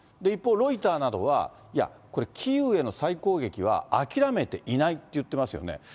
一方、ロイターなどは、いや、これキーウへの再攻撃は諦めていないっていってますよね。